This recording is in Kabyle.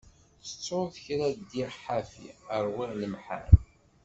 Tettuḍ kra ddiɣ ḥafi, ṛwiɣ lemḥan.